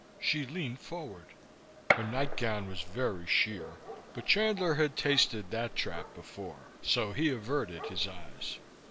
She leaned forward. Her nightgown was very sheer; but Chandler had tasted that trap before and he averted his eyes.